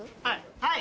はい？